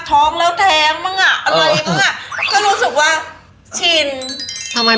ท้องแล้วแท้งมั่งอ่ะอะไรมั่งอ่ะก็รู้สึกว่าชิน